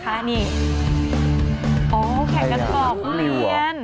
อ๋อแข่งกันเกาะทุเรียน